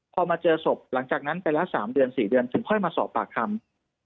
พอมาเจอศพหลังจากนั้นไปละ๓เดือน๔เดือนถึงค่อยมาสอบปากคำ